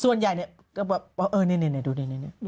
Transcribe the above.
ส่วนใหญ่นี่ดูนี่